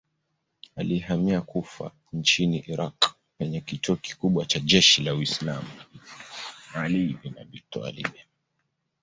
Alihamia Kufa nchini Irak penye kituo kikubwa cha jeshi la Uislamu.